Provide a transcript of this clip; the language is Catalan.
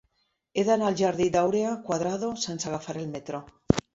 He d'anar al jardí d'Áurea Cuadrado sense agafar el metro.